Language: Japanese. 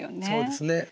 そうですね。